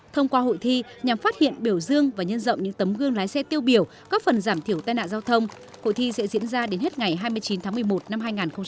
thông qua hội thi nhằm phát hiện biểu dương và nhân rộng những tấm gương lái xe tiêu biểu góp phần giảm thiểu tai nạn giao thông hội thi sẽ diễn ra đến hết ngày hai mươi chín tháng một mươi một năm hai nghìn hai mươi